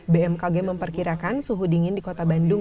bmkg memperkirakan suhu dingin di kota bandung